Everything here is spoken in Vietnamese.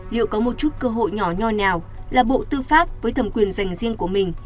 liệu có một chút cơ hội nhỏ nho nào là bộ tư pháp với thẩm quyền dành riêng của mình